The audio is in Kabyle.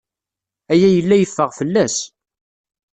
Aya yella yeffeɣ fell-as.